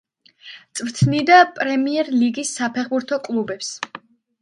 წვრთნიდა პრემიერ-ლიგის საფეხბურთო კლუბებს.